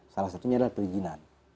salah satunya adalah perizinan